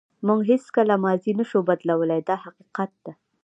موږ هیڅکله ماضي نشو بدلولی دا حقیقت دی.